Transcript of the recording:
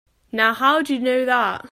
Now how'd you know that?